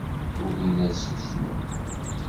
Ugin ad susmen